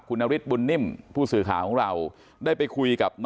คุณนฤทธบุญนิ่มผู้สื่อข่าวของเราได้ไปคุยกับ